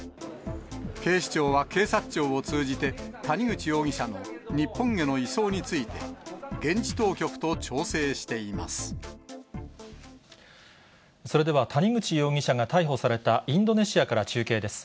警視庁は警察庁を通じて、谷口容疑者の日本への移送について、それでは、谷口容疑者が逮捕されたインドネシアから中継です。